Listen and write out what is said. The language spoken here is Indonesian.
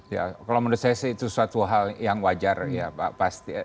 ya kalau menurut saya sih itu suatu hal yang wajar ya pak